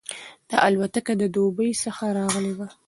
دا الوتکه له دوبۍ څخه راغلې وه.